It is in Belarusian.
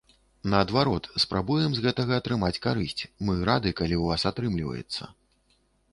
Наадварот, спрабуем з гэтага атрымаць карысць, мы рады, калі ў вас атрымліваецца.